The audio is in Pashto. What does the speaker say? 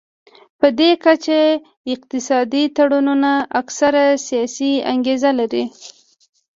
پدې کچه اقتصادي تړونونه اکثره سیاسي انګیزه لري